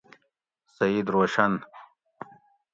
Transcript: سعید روشن